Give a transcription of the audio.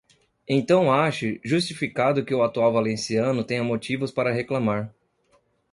Então ache justificado que o atual valenciano tenha motivos para reclamar.